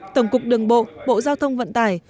tổng cục đường bộ bộ giao thông vận tải